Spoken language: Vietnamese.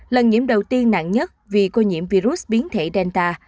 lần nhiễm đầu tiên nặng nhất vì cô nhiễm virus biến thể delta